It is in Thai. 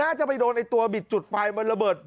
จะไปโดนไอ้ตัวบิดจุดไฟมันระเบิด